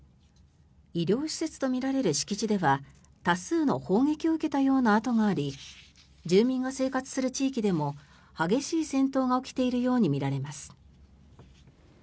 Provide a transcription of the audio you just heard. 医療施設とみられる敷地では多数の砲撃を受けたような跡があり住民が生活する地域でも激しい戦闘が起きているように見られます。